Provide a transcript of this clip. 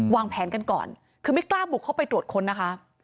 วางแผนกันก่อนคือไม่กล้าบุกเข้าไปตรวจค้นนะคะ